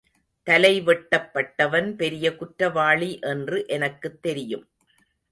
தலை வெட்டப் பட்டவன் பெரிய குற்றவாளி என்று எனக்குத் தெரியும்.